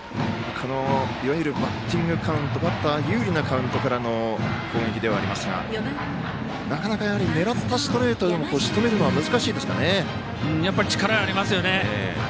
いわゆるバッティングカウントバッター有利なカウントからの攻撃ではありますが狙ったストレートをしとめるのは力ありますよね。